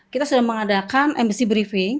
kita sudah mengadakan mc briefing